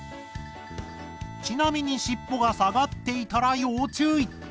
ちなみにしっぽが下がっていたら要注意！